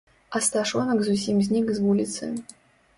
Асташонак зусім знік з вуліцы.